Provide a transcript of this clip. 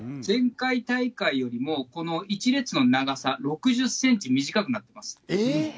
前回大会よりも、この一列の長さ、６０センチ短くなってます。